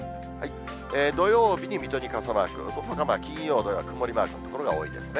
土曜日に水戸に傘マーク、そのほか金曜、土曜は曇りマークの所が多いですね。